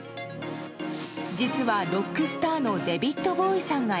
実は、ロックスターのデヴィッド・ボウイさんが